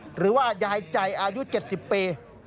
หรือว่ายายใจอายุ๗๐ปี